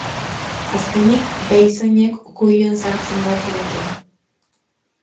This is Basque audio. Azkenik, behizainek ukuiluan sartzen lortu dute.